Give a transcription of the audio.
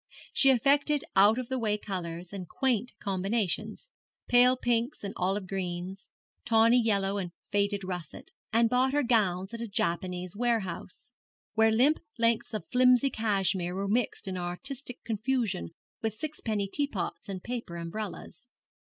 She affected out of the way colours, and quaint combinations pale pinks and olive greens, tawny yellow and faded russet and bought her gowns at a Japanese warehouse, where limp lengths of flimsy cashmere were mixed in artistic confusion with sixpenny teapots and paper umbrellas.